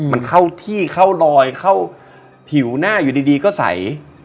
มันเข้าที่เข้ารอยเข้าผิวหน้าอยู่ดีก็ใส